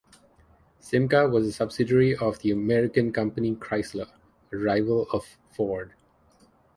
Simca was a subsidiary of the American company Chrysler, a rival of Ford.